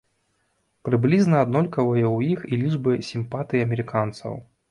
Прыблізна аднолькавыя ў іх і лічбы сімпатый амерыканцаў.